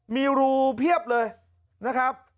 มีรูเพียบเลยนะครับ